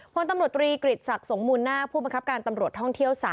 พลตำรวจตรีกริจศักดิ์สงมูลนาคผู้บังคับการตำรวจท่องเที่ยว๓